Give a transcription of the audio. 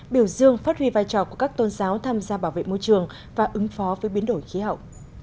biểu dương phát huy vai trò của các tôn giáo tham gia bảo vệ môi trường và ứng phó với biến đổi khí hậu